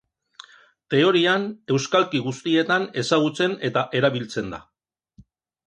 Teorian, euskalki guztietan ezagutzen eta erabiltzen da.